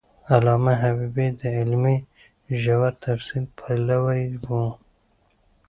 علامه حبيبي د علمي ژور تحلیل پلوی و.